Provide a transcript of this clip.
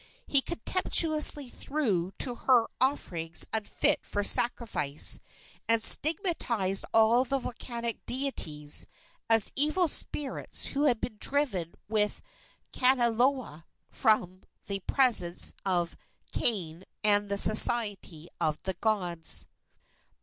He contemptuously threw to her offerings unfit for sacrifice, and stigmatized all the volcanic deities as evil spirits who had been driven with Kanaloa from the presence of Kane and the society of the gods.